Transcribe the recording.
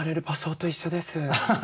芭蕉と一緒です。